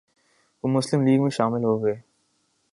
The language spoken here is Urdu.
وہ مسلم لیگ میں شامل ہوگئے